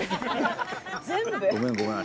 ごめんごめん。